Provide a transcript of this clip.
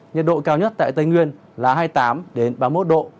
nhật độ cao nhất tại tây nguyên là hai mươi tám đến ba mươi một độ